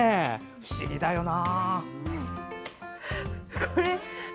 不思議だよな。